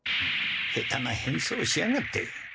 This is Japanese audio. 下手な変装しやがって。